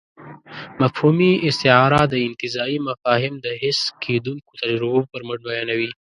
مفهومي استعاره انتزاعي مفاهيم د حس کېدونکو تجربو پر مټ بیانوي.